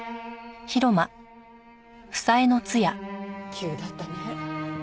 急だったね。